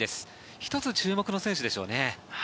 １つ注目の選手ですね。